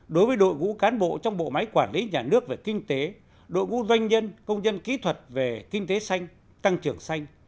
đối với đội ngũ cán bộ trong bộ máy quản lý nhà nước về kinh tế đội ngũ doanh nhân công nhân kỹ thuật về kinh tế xanh tăng trưởng xanh